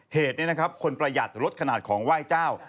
เหตุคนประหยัดลดขนาดของไหว้จ้าว